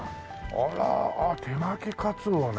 あら手巻きかつおね。